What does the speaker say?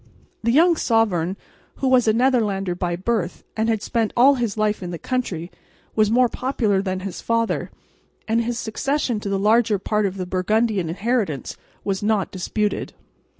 The young sovereign, who was a Netherlander by birth and had spent all his life in the country, was more popular than his father; and his succession to the larger part of the Burgundian inheritance was not disputed.